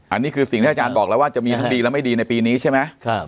อันนี้คือสิ่งที่อาจารย์บอกแล้วว่าจะมีทั้งดีและไม่ดีในปีนี้ใช่ไหม